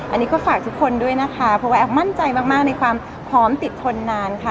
อันนี้ก็ฝากทุกคนด้วยนะคะเพราะว่าแอฟมั่นใจมากในความพร้อมติดทนนานค่ะ